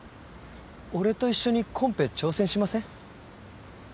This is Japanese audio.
俺と一緒にコンペ挑戦しません？